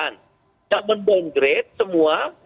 tidak mendowngrade semua